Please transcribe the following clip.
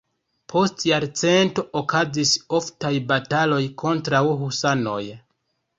Post jarcento okazis oftaj bataloj kontraŭ husanoj.